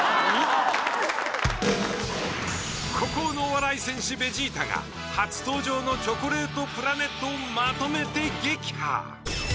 孤高のお笑い戦士ベジータが初登場のチョコレートプラネットをまとめて撃破。